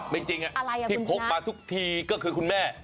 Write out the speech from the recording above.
จริงที่พกมาทุกทีก็คือคุณแม่